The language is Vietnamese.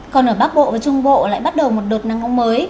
còn ở bắc bộ và trung bộ lại bắt đầu một đợt nắng nóng mới